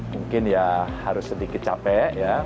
mungkin ya harus sedikit capek ya